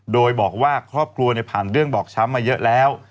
โดยบอกว่าครอบครัวผ่านเรื่องบอบช้ำมาเยอะแล้ว